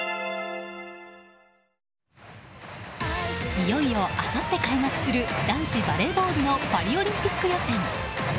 いよいよあさって開幕する男子バレーボールのパリオリンピック予選。